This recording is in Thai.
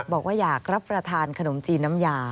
บอกว่าอยากรับประทานขนมจีนน้ำยา